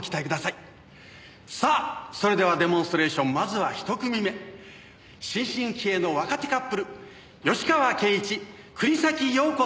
「さあそれではデモンストレーションまずは一組目新進気鋭の若手カップル芳川圭一国東遥子選手です」